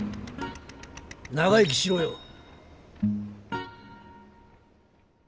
長生きしろよ。